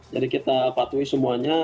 jadi kita patuhi semuanya